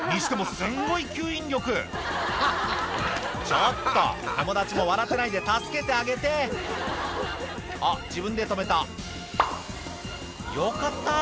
すんごい吸引力ちょっと友達も笑ってないで助けてあげてあっ自分で止めたよかった